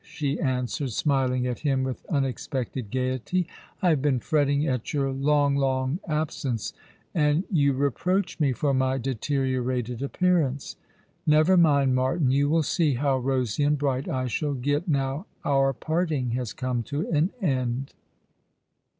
she answered, smiling at him with unexpected gaiety. " I have been fretting at your long, long absence, and you reproach me for my deteriorated appearance. Never mind, Martin, you will see how rosy and bright I shall get now our parting has come to an end."